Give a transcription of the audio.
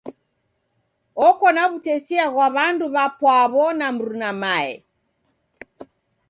Oko na w'utesia ghwa w'andu w'apwaw'o na mruna mae.